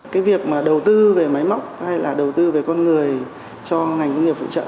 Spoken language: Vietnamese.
cái việc mà đầu tư về máy móc hay là đầu tư về con người cho ngành công nghiệp phụ trợ